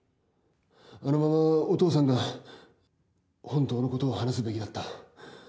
あのままお父さんが本当のことを話すべきだった。